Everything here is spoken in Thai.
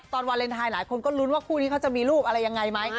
วาเลนไทยหลายคนก็ลุ้นว่าคู่นี้เขาจะมีรูปอะไรยังไงไหม